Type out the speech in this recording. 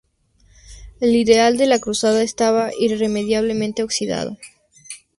El ideal de la Cruzada estaba irremediablemente oxidado.